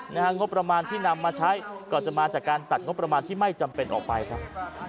งบประมาณที่นำมาใช้ก็จะมาจากการตัดงบประมาณที่ไม่จำเป็นออกไปครับ